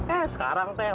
eh sekarang teh